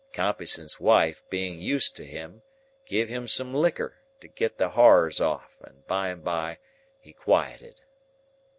"Compeyson's wife, being used to him, giv him some liquor to get the horrors off, and by and by he quieted.